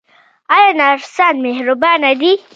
آیا نرسان مهربان دي؟